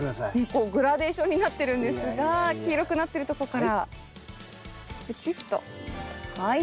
こうグラデーションになってるんですが黄色くなってるとこからプチッとはい。